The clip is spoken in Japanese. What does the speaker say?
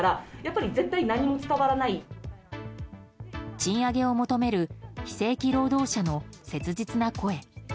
賃上げを求める非正規労働者の切実な声。